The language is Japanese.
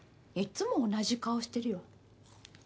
いっつも同じ顔してるよ。